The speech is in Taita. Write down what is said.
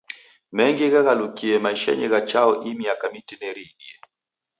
Mengi ghaghalukie maishenyi gha Chao ii miaka mitineri iidie.